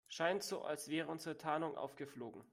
Scheint so, als wäre unsere Tarnung aufgeflogen.